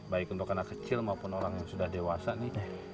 baik untuk anak kecil maupun orang yang sudah dewasa nih